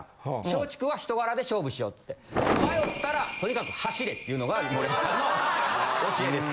松竹は人柄で勝負しようって言って迷ったらとにかく走れっていうのが森脇さんの教えです。